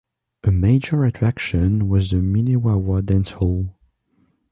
A major attraction was the Minnewawa Dance Hall.